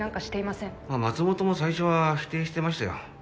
まあ松本も最初は否定してましたよ。